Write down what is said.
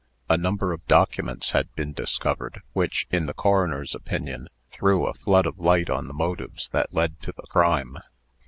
A number of documents had been discovered, which, in the coroner's opinion, threw a flood of light on the motives that led to the crime.